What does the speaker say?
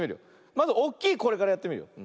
まずおっきいこれからやってみるよ。